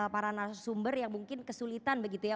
para narasumber yang mungkin kesulitan begitu ya